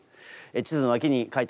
地図の脇に書いてあります